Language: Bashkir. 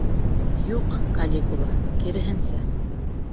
Юҡ, Калигула, киреһенсә.